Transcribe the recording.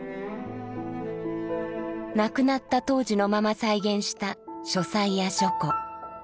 亡くなった当時のまま再現した書斎や書庫。